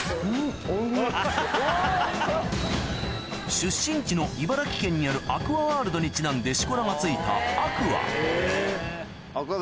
出身地の茨城県にあるアクアワールドにちなんでしこ名が付いた天空海天空海関。